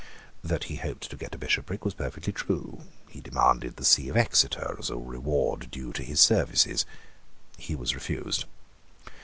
That he hoped to get a bishopric was perfectly true. He demanded the see of Exeter as a reward due to his services. He was refused.